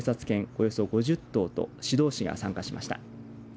およそ５０頭と指導士が参加しました。